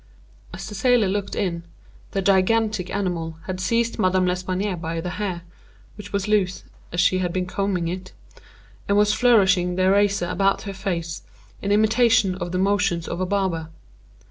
As the sailor looked in, the gigantic animal had seized Madame L'Espanaye by the hair, (which was loose, as she had been combing it,) and was flourishing the razor about her face, in imitation of the motions of a barber.